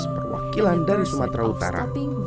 perwakilan dari sumatera utara